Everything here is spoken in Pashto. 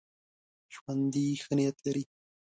ژوندي ښه نیت لري